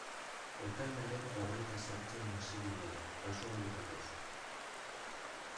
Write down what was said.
Ekainaren hogeita zortzian hasi ginen, kasualitatez.